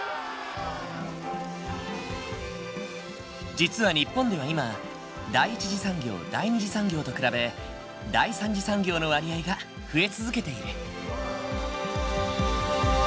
実は日本では今第一次産業第二次産業と比べ第三次産業の割合が増え続けている。